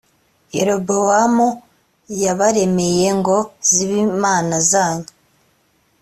yerobowamu yabaremeye ngo zibe imana zanyu